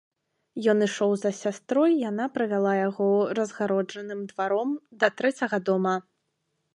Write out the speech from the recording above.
Ён ішоў за сястрой, яна правяла яго разгароджаным дваром да трэцяга дома.